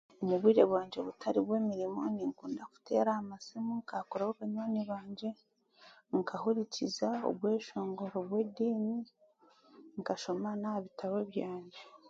Omu bwire bwangye obutari bw'emirimo, n'okuteera aha masimu nkaakuraho banywani bangye nkahurikiza obweshongoro bw'ediini nk'ashoma n'ahabitabo byangye.